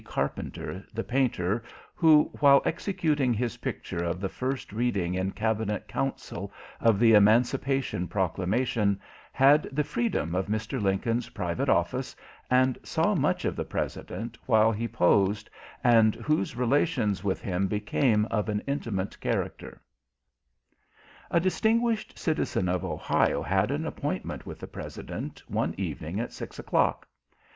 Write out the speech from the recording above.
Carpenter, the painter, who, while executing his picture of the first reading in cabinet council of the Emancipation Proclamation, had the freedom of Mr. Lincoln's private office and saw much of the President while he posed, and whose relations with him became of an intimate character.) "YOU DON'T WEAR HOOPS AND I WILL ... PARDON YOUR BROTHER" A distinguished citizen of Ohio had an appointment with the President one evening at six o'clock.